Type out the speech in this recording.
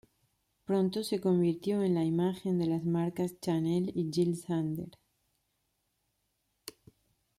Pronto se convirtió en la imagen de las marcas Chanel y Jil Sander.